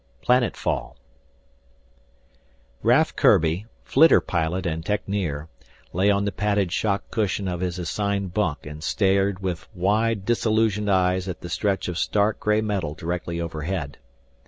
2 PLANETFALL Raf Kurbi, flitter pilot and techneer, lay on the padded shock cushion of his assigned bunk and stared with wide, disillusioned eyes at the stretch of stark, gray metal directly overhead.